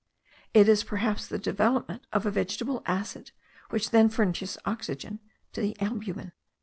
It is perhaps the development of a vegetable acid which then furnishes oxygen to the albumen.